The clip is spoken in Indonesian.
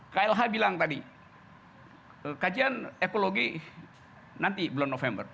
klh bilang tadi kajian ekologi nanti bulan november